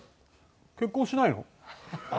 「結婚しないの？